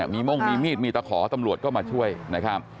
มีม่งมีมีดมีตะขอตำรวจก็มาช่วยนะครับ